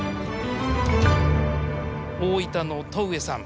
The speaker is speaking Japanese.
大分の戸上さん